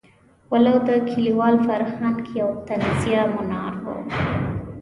ولو د کلیوال فرهنګ یو طنزیه منار وو.